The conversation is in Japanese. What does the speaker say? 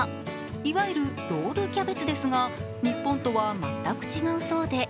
いわゆるロールキャベツですが日本とは全く違うそうで。